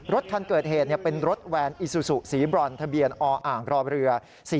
รถคันเกิดเหตุเป็นรถแวนอิซูซูสีบรอนทะเบียนออ่างรอเรือ๔๔